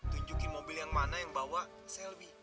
tunjukin mobil yang mana yang bawa selby